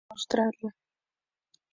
Se encuentra en el oeste de Australia.